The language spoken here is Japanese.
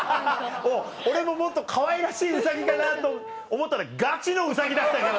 俺ももっとかわいらしいウサギかなと思ったらガチのウサギだったから。